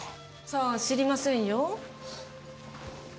さあ知りませんよ。